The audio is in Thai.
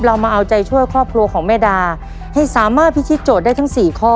เรามาเอาใจช่วยครอบครัวของแม่ดาให้สามารถพิธีโจทย์ได้ทั้งสี่ข้อ